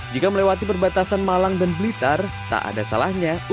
jika melewati perbatasan malang dan blitar tak ada salahnya